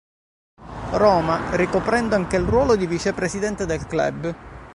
Roma, ricoprendo anche il ruolo di Vicepresidente del club.